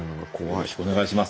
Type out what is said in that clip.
よろしくお願いします。